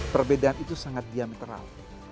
perbedaan itu sangat diametral